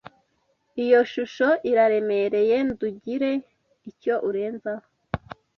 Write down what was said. iyo shusho iraremeye ndugire icyo urenzaho